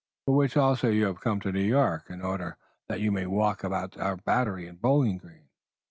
"For which also you have come to New York in order that you may walk about our Battery and Bowling Green."